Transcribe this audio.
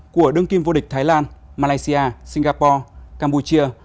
của đương kim vô địch thái lan malaysia singapore campuchia